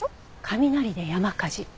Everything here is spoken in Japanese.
雷で山火事。